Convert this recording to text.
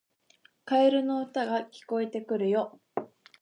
カエルの歌が聞こえてくるよ